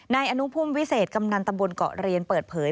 นายอนุภูมิวิเศษกำนันตำบลเกาะเรียนเปิดเผย